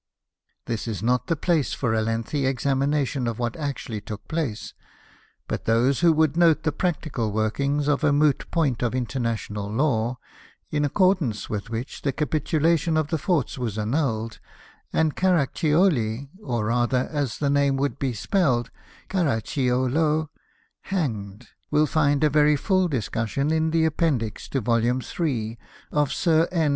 This is not the place for a lengthj" examination of what actually took place; but those who would note the practical working of a moot point of international law, in accordance with which the capitulation of the forts was annulled and Carac cioh, or rather — as the name should be spelled — Caracciolo, hanged, will find a very full discussion PREFACE. xi in the Appendix to \o\. III. of Sir N.